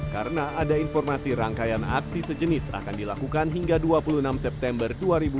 karena ada informasi rangkaian aksi sejenis akan dilakukan hingga dua puluh enam september dua ribu dua puluh dua